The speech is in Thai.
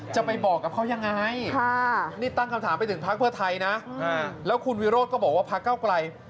จะไปบอกกับเขายังไงนี่ตั้งคำถามไปถึงพักเพื่อไทยนะแล้วคุณวิโรธก็บอกว่าพักเก้าไกล